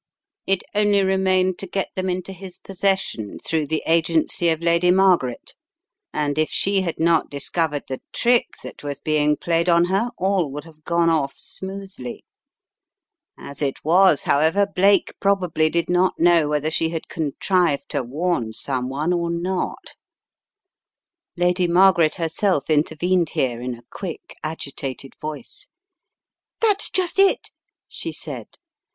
It only remained to get them into his posses sion through the agency of Lady Margaret, and if she had not discovered the trick that was being played on her, all would have gone off smoothly. As it was, however, Blake probably did not know whether she had contrived to warn someone or not!" 286 The Riddle of the Purple Emperor Lady Margaret herself intervened here in a quick, agitated voice. "That's just it," she said.